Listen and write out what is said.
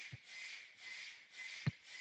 Psixologiya nuqtai nazaridan: